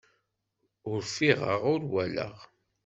Ur ffiɣeɣ, ur walaɣ.